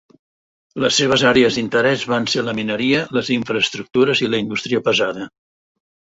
Les seves àrees d'interès van ser la mineria, les infraestructures i la indústria pesada.